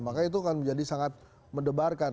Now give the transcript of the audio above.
maka itu akan menjadi sangat mendebarkan